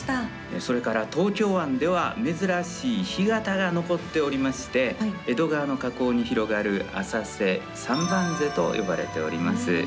それから、東京湾では珍しい干潟が残っておりまして江戸川の河口に広がる浅瀬三番瀬と呼ばれております。